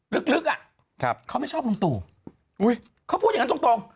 ลึกอะเขาไม่ชอบลงตู่เขาพูดอย่างนั้นตรง